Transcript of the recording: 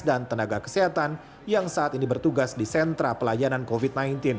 dan tenaga kesehatan yang saat ini bertugas di sentra pelayanan covid sembilan belas